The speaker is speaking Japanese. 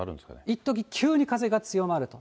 いっとき、急に風が強まると。